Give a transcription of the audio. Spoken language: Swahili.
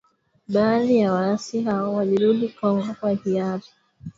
Baadhi ya waasi hao walirudi Kongo kwa hiari